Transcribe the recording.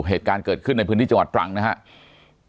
เหตุการณ์เกิดขึ้นในพื้นที่จังหวัดตรังนะครับ